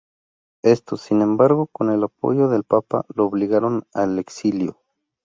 Éstos, sin embargo, con el apoyo del papa, lo obligaron al exilio.